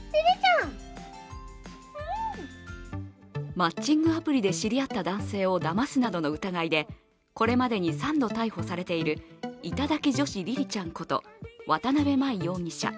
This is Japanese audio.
マッチングアプリで知り合った男性をだますなどの疑いでこれまでに３度逮捕されている頂き女子りりちゃんこと渡邊真衣容疑者。